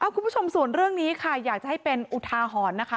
คุณผู้ชมส่วนเรื่องนี้ค่ะอยากจะให้เป็นอุทาหรณ์นะคะ